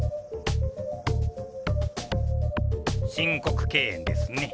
申告敬遠ですね。